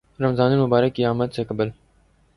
رمضان المبارک کی آمد سے قبل